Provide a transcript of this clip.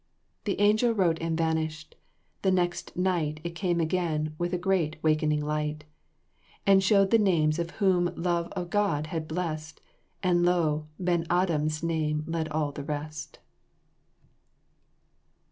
The angel wrote and vanished. The next night It came again with a great wakening light And showed the names of whom love of God had blessed, And lo, Ben Adhem's name led all the rest!"